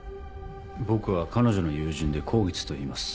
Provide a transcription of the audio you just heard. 僕は彼女の友人で香月といいます。